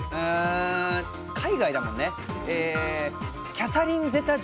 海外だもんね。